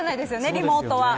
リモートは。